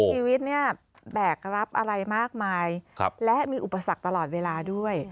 ชีวิตเนี่ยแบกรับอะไรมากมายและมีอุปสรรคตลอดเวลาด้วย